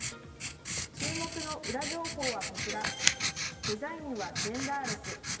注目のウラ情報はこちらデザインはジェンダーレス。